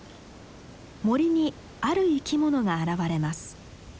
森にある生き物が現れます。